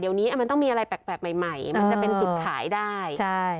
เดี๋ยวนี้มันต้องมีอะไรแปลกใหม่ใหม่มันจะเป็นจุดขายได้ใช่